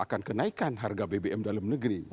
akan kenaikan harga bbm dalam negeri